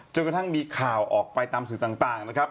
กระทั่งมีข่าวออกไปตามสื่อต่างนะครับ